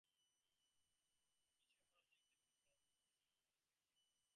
Each member of the executive holds a specific policy area portfolio.